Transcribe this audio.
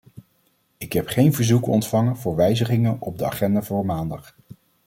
Ik heb geen verzoeken ontvangen voor wijzigingen op de agenda voor maandag.